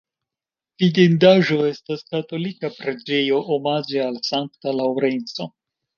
Vidindaĵo estas katolika preĝejo omaĝe al Sankta Laŭrenco.